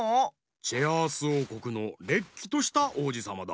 チェアースおうこくのれっきとしたおうじさまだ。